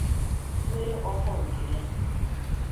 nwee ọfọ nke ya